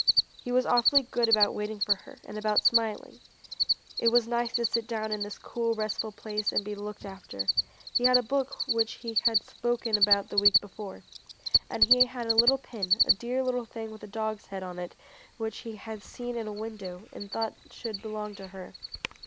He was awfully good about waiting for her, and about smiling. It was nice to sit down in this cool, restful place and be looked after. He had a book which she had spoken about the week before, and he had a little pin, a dear little thing with a dog's head on it which he had seen in a window and thought should belong to her.